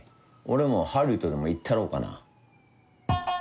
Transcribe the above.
俺もハリウッドでも行ったろうかな。